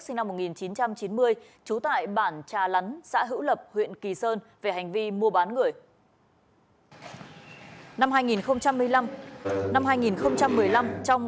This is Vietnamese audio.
vào năm một nghìn chín trăm chín mươi trú tại bản trà lắn xã hữu lập huyện kỳ sơn về hành vi mua bán gửi năm hai nghìn một mươi năm năm hai nghìn một mươi năm trong